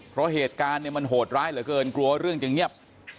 เพราะเหตุการณ์เนี่ยมันโหดร้ายเหลือเกินกลัวเรื่องจะเงียบ